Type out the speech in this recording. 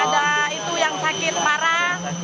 ada itu yang sakit parah